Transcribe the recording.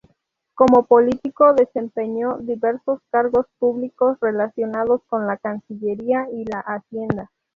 Como político, desempeñó diversos cargos públicos relacionados con la Cancillería y la Hacienda.